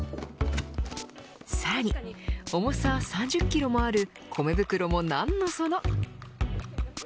さらに重さ３０キロもある米袋もなんのその。